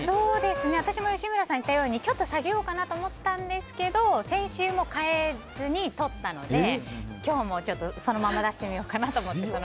私も吉村さんが言ったようにちょっと下げようかなと思ったんですけど先週も変えずにとったので今日もそのまま出してみようかなと。